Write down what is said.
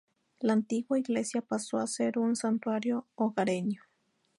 La antigua iglesia pasó a ser un santuario hogareño.